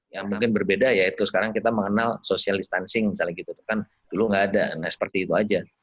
ya mungkin berbeda yaitu sekarang kita mengenal social distancing misalnya gitu kan dulu nggak ada nah seperti itu aja